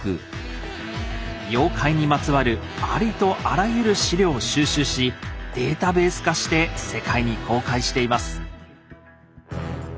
妖怪にまつわるありとあらゆる資料を収集しデータベース化して世界に公開しています。